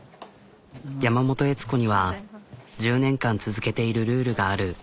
山本悦子には１０年間続けているルールがある。